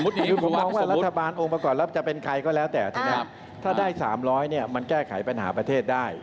คือผมมองว่ารัฐบาลองก่อนแล้วจะเป็นใครก็แล้วแต่ถ้าได้๓๐๐มันแก้ไขปัญหาประเทศได้